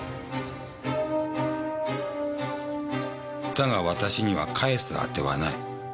だが私には返す当てはない。